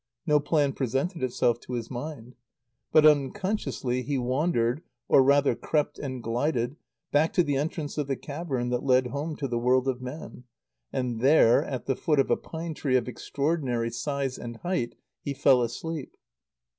No plan presented itself to his mind. But, unconsciously, he wandered, or rather crept and glided, back to the entrance of the cavern that led home to the world of men; and there, at the foot of a pine tree of extraordinary size and height, he fell asleep.